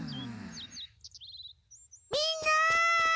みんな！